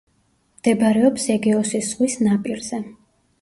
მდებარეობს ეგეოსის ზღვის ნაპირზე.